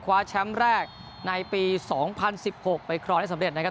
คว้าแชมป์แรกในปี๒๐๑๖ไปครองได้สำเร็จนะครับ